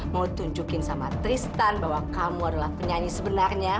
mau tunjukin sama tristan bahwa kamu adalah penyanyi sebenarnya